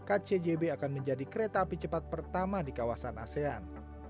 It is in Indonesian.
dengan adanya kereta cepat kcjb akan menjadi kereta api cepat pertama di kawasan asean